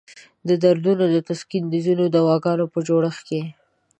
د دردونو د تسکین د ځینو دواګانو په جوړښت کې.